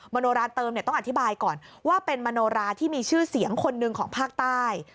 โนราเติมต้องอธิบายก่อนว่าเป็นมโนราที่มีชื่อเสียงคนหนึ่งของภาคใต้